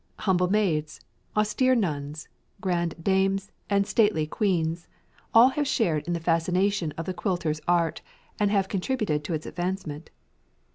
Humble maids, austere nuns, grand dames, and stately queens; all have shared in the fascination of the quilter's art and have contributed to its advancement.